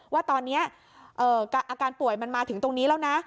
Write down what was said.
ว่าตอนนี้อาการป่วยมันมาถึงตรงนี้แล้วนะ